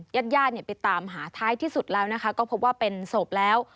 ญาติญาติไปตามหาท้ายที่สุดแล้วนะคะก็พบว่าเป็นศพแล้ว